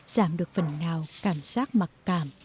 giảm được phần nào cảm giác mặc cảm